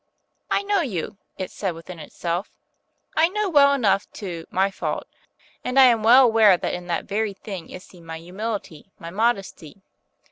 "I know you," it said within itself, "I know well enough, too, my fault; and I am well aware that in that very thing is seen my humility, my modesty.